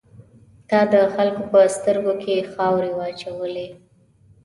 تا د خلکو په سترګو کې خاورې واچولې.